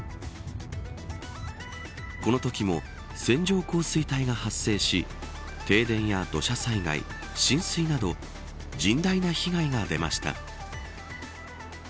このときも線状降水帯が発生し停電や、土砂災害浸水など甚大な被害が出ました。